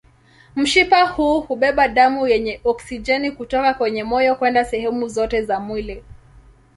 Mshipa huu hubeba damu yenye oksijeni kutoka kwenye moyo kwenda sehemu zote za mwili.